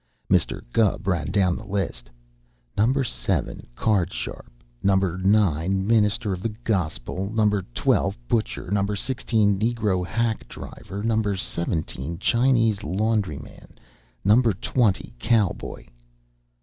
Mr. Gubb ran down the list Number Seven, Card Sharp; Number Nine, Minister of the Gospel; Number Twelve, Butcher; Number Sixteen, Negro Hack Driver; Number Seventeen, Chinese Laundryman; Number Twenty, Cowboy....